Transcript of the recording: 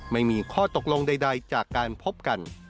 ไม่มีข้อตกลงใดจากการพบกัน